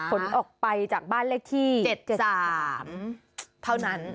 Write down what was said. ผลออกไปจากบ้านเลขที่๗๓เท่านั้น